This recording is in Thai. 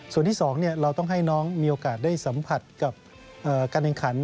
ส่วนที่๒เราต้องให้น้องมีโอกาสได้สัมผัสกับการแข่งขัน